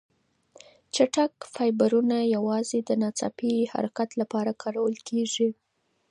چټک فایبرونه یوازې د ناڅاپي حرکت لپاره کارول کېږي.